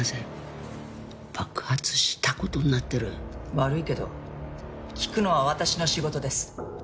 悪いけど聴くのは私の仕事です。